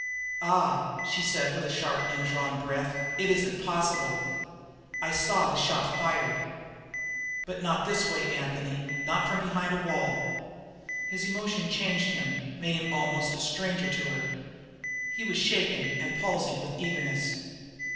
"Ah!" she said, with sharply indrawn breath. "It isn't possible!" "I saw the shot fired." "But not this way, Anthony; not from behind a wall!" His emotion changed him, made him almost a stranger to her. He was shaking and palsied with eagerness.